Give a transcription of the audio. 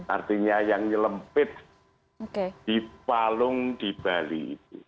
artinya yang nyelempit di palung di bali itu